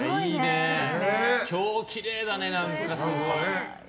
今日きれいだね、何かすごく。